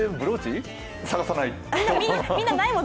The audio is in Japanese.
探さないと。